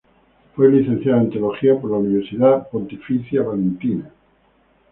Fue licenciado en Teología por la Universidad de Pontificia valentina.